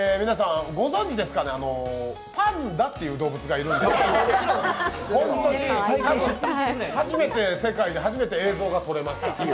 皆さん、ご存じですかね、パンダっていう動物がいるんですけど世界で初めて映像が撮れました。